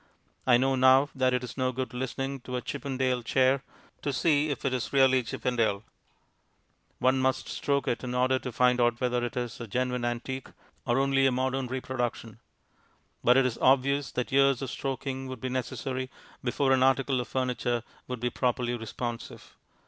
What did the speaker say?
I know now that it is no good listening to a Chippendale chair to see if it is really Chippendale; one must stroke it in order to find out whether it is a "genuine antique" or only a modern reproduction; but it is obvious that years of stroking would be necessary before an article of furniture would be properly responsive.